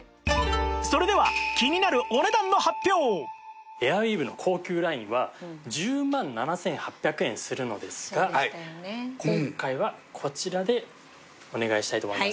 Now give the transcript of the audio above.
それではエアウィーヴの高級ラインは１０万７８００円するのですが今回はこちらでお願いしたいと思います。